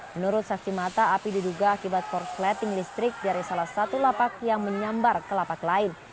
menurut saksi mata api diduga akibat korsleting listrik dari salah satu lapak yang menyambar ke lapak lain